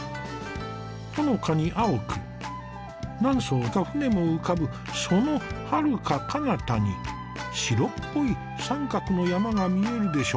ほのかに青く何艘か舟も浮かぶそのはるかかなたに白っぽい三角の山が見えるでしょ。